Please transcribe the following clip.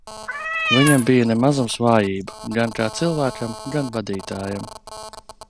Viņam bija ne mazums vājību - gan kā cilvēkam, gan vadītājam.